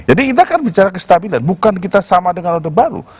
jadi kita kan bicara kestabilan bukan kita sama dengan order baru